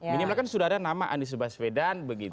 minimal kan sudah ada nama andi subaswedan begitu